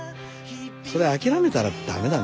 それ諦めたらだめだね